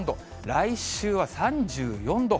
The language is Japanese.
来週は３４度。